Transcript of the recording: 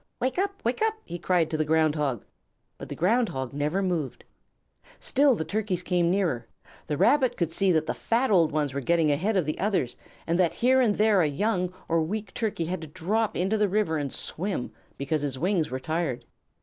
"Wake up! Wake up!" he cried to the Ground Hog. But the Ground Hog never moved. Still the Turkeys came nearer. The Rabbit could see that the fat old ones were getting ahead of the others, and that here and there a young or weak Turkey had to drop into the river and swim, because his wings were tired.